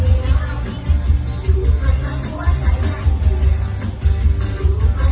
แอะชุดไอ้เป็นใครนั้น